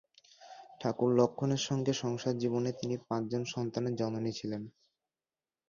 ঠাকুর লক্ষ্মণের সঙ্গে সংসার জীবনে তিনি পাঁচ জন সন্তানের জননী ছিলেন।